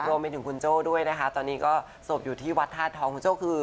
รวมไปถึงคุณโจ้ด้วยนะคะตอนนี้ก็ศพอยู่ที่วัดธาตุทองคุณโจ้คือ